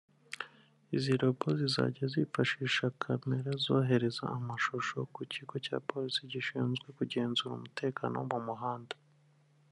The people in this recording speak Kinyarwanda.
Izi Robo zizajya zifasisha kamera (camera) zohereza amashusho ku Kigo cya Polisi gishinzwe kugenzura umutekano wo mu muhanda